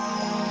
aku sudah lebih